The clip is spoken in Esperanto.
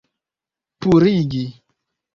purigi